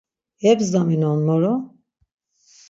Yebzdaminonan moro!